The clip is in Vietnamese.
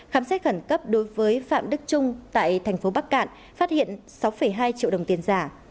khám xét khẩn cấp đối với phạm đức trung tại thành phố bắc cạn phát hiện sáu hai triệu đồng tiền giả